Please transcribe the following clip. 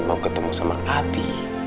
mau ketemu sama abi